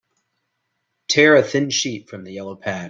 Tear a thin sheet from the yellow pad.